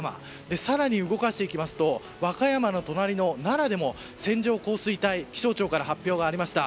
更に動かしていきますと和歌山の隣の奈良にも線状降水帯気象庁から発表がありました。